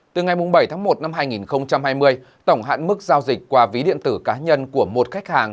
từ ngày bảy tháng một năm hai nghìn hai mươi tổng hạn mức giao dịch qua ví điện tử cá nhân của một khách hàng